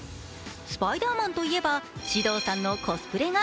スパイダーマンといえば獅童さんのコスプレが